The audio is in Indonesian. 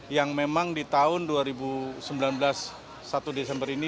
yang memang di tahun dua ribu sembilan belas satu desember ini